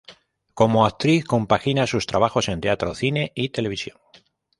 Como actriz compagina sus trabajos en teatro, cine y televisión.